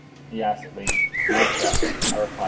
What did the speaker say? he asked, at length. "Nitre," I replied.